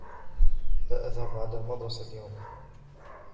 لا اذهب على المدرسة اليوم.